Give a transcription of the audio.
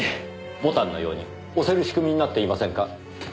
ボタンのように押せる仕組みになっていませんか？